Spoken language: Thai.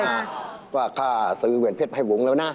ก็ว่าข้าซื้อแว่นเพชรไฟ่บงแล้วนะ